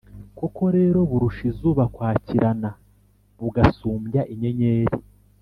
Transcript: Koko rero, burusha izuba kwakirana, bugasumbya inyenyeri;